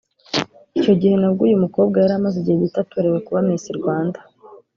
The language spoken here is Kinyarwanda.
Icyo gihe nabwo uyu mukobwa yari amaze igihe gito atorewe kuba Miss Rwanda